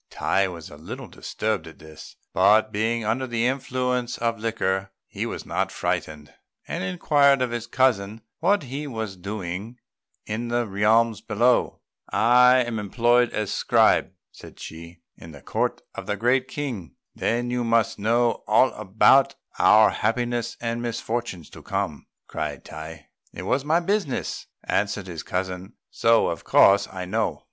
Tai was a little disturbed at this; but, being under the influence of liquor, he was not frightened, and inquired of his cousin what he was doing in the realms below. "I am employed as scribe," said Chi, "in the court of the Great King." "Then you must know all about our happiness and misfortunes to come," cried Tai. "It is my business," answered his cousin, "so of course I know.